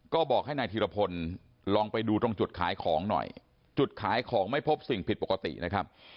ก็บอกให้นายธีรพลลองไปดูตรงจุดขายของหน่อยจุดขายของไม่พบสิ่งผิดปกตินะครับ